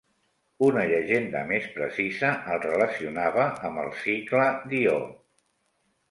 Una llegenda més precisa el relacionava amb el cicle d'Ió.